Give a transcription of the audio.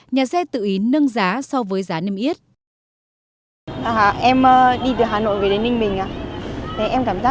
nhà xe tự ý nâng giá so với giá nêm ít